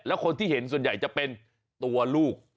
แล้วคนที่เห็นส่วนใหญ่จะเป็นตัวลูก